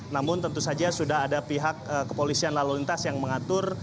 namun tentu saja sudah ada pihak kepolisian lalu lintas yang mengatur